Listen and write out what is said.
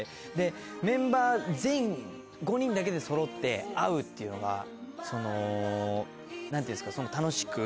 メンバー全員５人だけでそろって会うっていうのがその何ていうんですか楽しく。